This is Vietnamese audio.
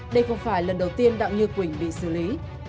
đây không phải lần đầu tiên đặng như quỳnh bị xử lý